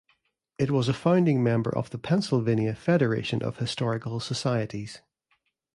It was a founding member of the Pennsylvania Federation of Historical Societies.